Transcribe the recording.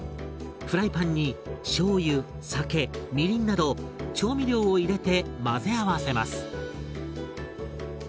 フライパンにしょうゆ酒みりんなど調味料を入れて混ぜ合わせます。